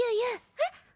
えっ？